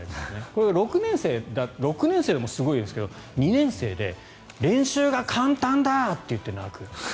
これが６年生でもすごいですけど２年生で練習が簡単だ！って言って泣く。